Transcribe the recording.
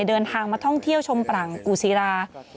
เดินทางมาท่องเที่ยวชมปร่างกูศิรา